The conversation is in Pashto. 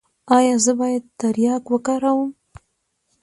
ایا زه باید تریاک وکاروم؟